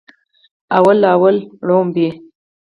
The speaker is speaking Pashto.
لومړی لومړۍ ړومبی